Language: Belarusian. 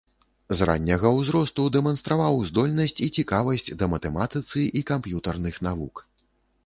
З ранняга ўзросту дэманстраваў здольнасць і цікавасць да матэматыцы і камп'ютарных навук.